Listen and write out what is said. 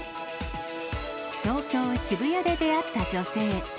東京・渋谷で出会った女性。